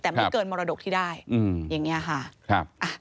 แต่ไม่เกินมรดกที่ได้อย่างนี้ค่ะ